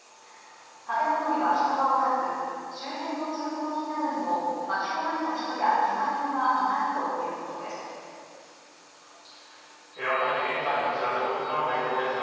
建物には人はおらず周辺の通行人などにも巻き込まれた人やけが人はいないということです。